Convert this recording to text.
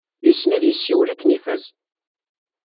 Yessen ad yessiwel akken ifaz.